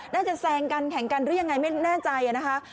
แซงกันแข่งกันหรือยังไงไม่แน่ใจนะคะ